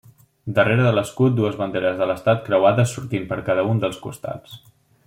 Darrere de l'escut dues banderes de l'estat creuades sortint per cada un dels costats.